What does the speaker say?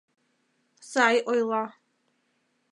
Сай ойла